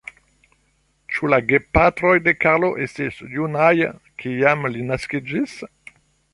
Ĉu la gepatroj de Karlo estis junaj, kiam li naskiĝis?